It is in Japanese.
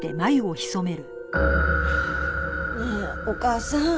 ねえお義母さん